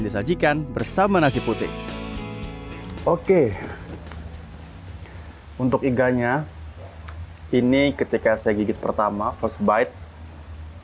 disajikan bersama nasi putih oke untuk iganya ini ketika saya gigit pertama cost bite